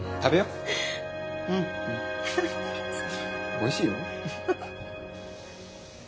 おいしいよ。